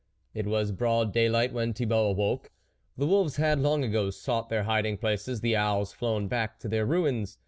It was broad daylight when Thibault awoke ; the wolves had long ago sought their hiding places, the owls flown back to their ruins.